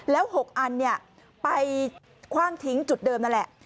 แล้ว๖อันไปคว่างทิ้งจุดเดิมนั่นแหละ